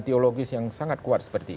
teologis yang sangat kuat seperti itu